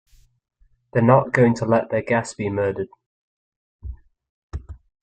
They’re not going to let their guests be murdered.